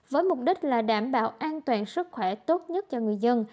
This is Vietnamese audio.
với mục đích là đảm bảo an toàn sức khỏe tốt nhất cho người dân